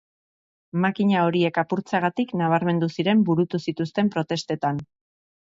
Makina horiek apurtzeagatik nabarmendu ziren burutu zituzten protestetan.